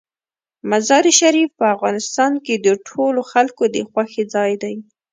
مزارشریف په افغانستان کې د ټولو خلکو د خوښې ځای دی.